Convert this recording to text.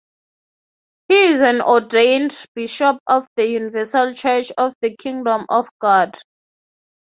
He is an ordained bishop of the Universal Church of the Kingdom of God.